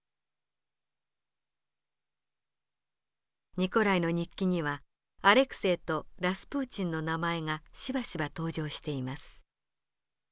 ニコライの日記にはアレクセイとラスプーチンの名前がしばしば登場しています。